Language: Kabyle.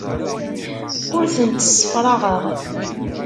Ur tent-ssefraɣeɣ.